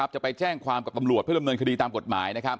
จะไปแจ้งความกับตำรวจเพื่อดำเนินคดีตามกฎหมาย